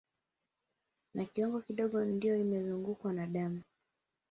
Na kiwango kidogo ndio imezungukwa na damu